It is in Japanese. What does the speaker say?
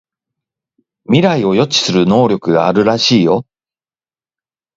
未来を予知する能力があるらしいよ